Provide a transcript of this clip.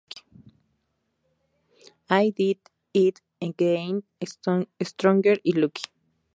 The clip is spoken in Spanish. I Did It Again, Stronger y Lucky.